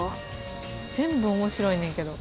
全部面白いねんけど。